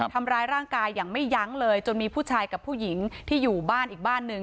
ทำร้ายร่างกายอย่างไม่ยั้งเลยจนมีผู้ชายกับผู้หญิงที่อยู่บ้านอีกบ้านหนึ่ง